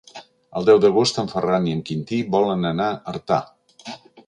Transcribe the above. El deu d'agost en Ferran i en Quintí volen anar a Artà.